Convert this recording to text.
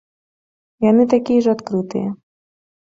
Яны такі я ж адкрытыя.